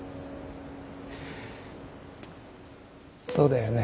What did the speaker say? そうだよね。